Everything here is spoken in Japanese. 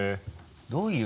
どういう。